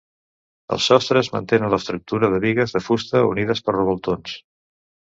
Els sostres mantenen l'estructura de bigues de fusta unides per revoltons.